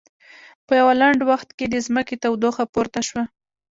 په یوه لنډ وخت کې د ځمکې تودوخه پورته شوه.